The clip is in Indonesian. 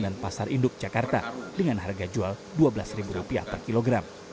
dan pasar induk jakarta dengan harga jual rp dua belas per kilogram